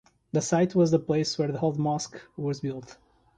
The site was the place were the old mosque was built.